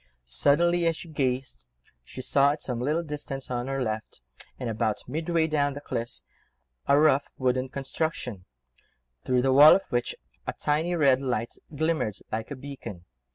Suddenly, as she gazed, she saw at some little distance on her left, and about midway down the cliffs, a rough wooden construction, through the walls of which a tiny red light glimmered like a beacon.